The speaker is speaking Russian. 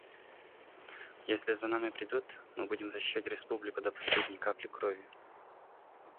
Если за нами придут, мы будем защищать Республику до последней капли крови.